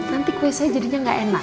nanti kue saya jadinya nggak enak